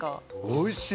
おいしい！